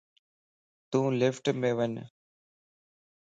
تون لفٽم وڃ